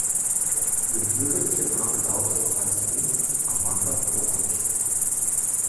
Ihr bürgerlicher Name lautet seitdem "Amanda Kovacs".